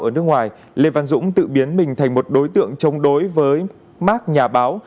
ở nước ngoài lê văn dũng tự biến mình thành một đối tượng chống đối với mark nhà báo